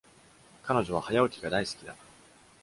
彼女は早起きが大好きだ。